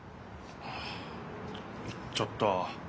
ああ行っちゃった。